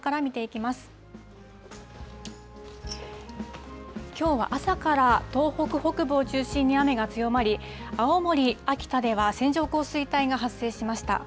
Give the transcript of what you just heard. きょうは朝から東北北部を中心に雨が強まり、青森、秋田では線状降水帯が発生しました。